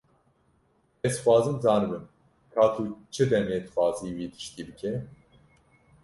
Ez dixwazim zanibim ka tu çi demê dixwazî wî tiştî bike.